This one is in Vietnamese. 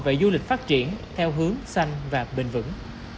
và du lịch phát triển theo hướng xanh và bền vững